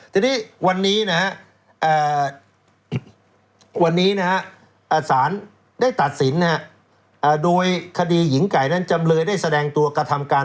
ทีนี้วันนี้นะฮะวันนี้นะฮะสารได้ตัดสินโดยคดีหญิงไก่นั้นจำเลยได้แสดงตัวกระทำการ